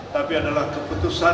tapi adalah keputusan